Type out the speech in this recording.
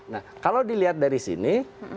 nah kalau dilihat dari sini